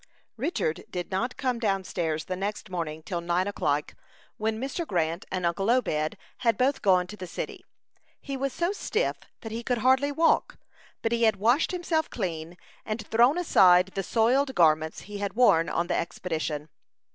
Richard did not come down stairs the next morning till nine o'clock, when Mr. Grant and uncle Obed had both gone to the city. He was so stiff that he could hardly walk; but he had washed himself clean, and thrown aside the soiled garments he had worn on the expedition.